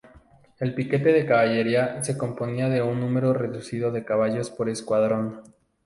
El piquete de caballería se componía de un número reducido de caballos por escuadrón.